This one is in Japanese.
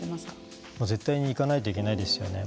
絶対に行かないといけないですよね。